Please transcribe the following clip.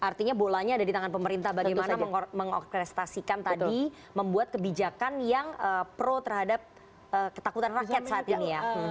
artinya bolanya ada di tangan pemerintah bagaimana mengoprestasikan tadi membuat kebijakan yang pro terhadap ketakutan rakyat saat ini ya